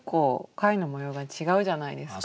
貝の模様が違うじゃないですか。